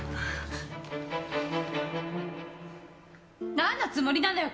何のつもりなのよ？